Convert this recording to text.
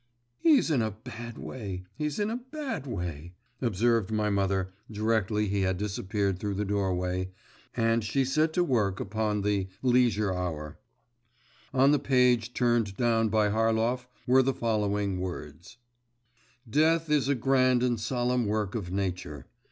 'He's in a bad way, he's in a bad way,' observed my mother, directly he had disappeared through the doorway, and she set to work upon the Leisure Hour. On the page turned down by Harlov were the following words: 'Death is a grand and solemn work of nature.